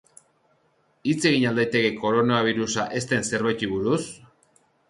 Hitz egin al daiteke koronabirusa ez den zerbaiti buruz?